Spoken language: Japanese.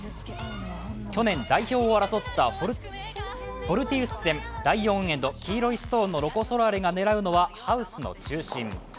去年、代表を争ったフォルティウス戦第４エンド、黄色いストーンのロコ・ソラーレが狙うのはハウスの中心。